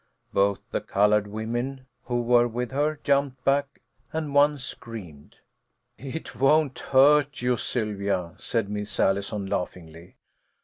Both the coloured women who were with her jumped back, and one screamed. "It won't hurt you, Sylvia," said Miss Allison, 146 A HALLOWE'EN PARTY. 147 laughingly.